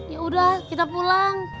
ya udah kita pulang